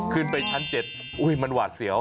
ขึ้นไปชั้น๗มันหวาดเสียว